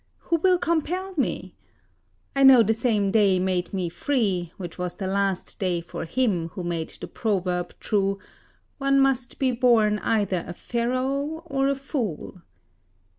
Who will compel me? I know the same day made me free, which was the last day for him who made the proverb true One must be born either a Pharaoh or a fool.